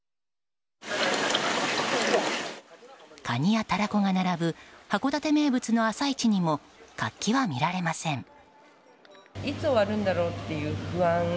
カニやタラコが並ぶ函館名物の朝市にも活気は見られません。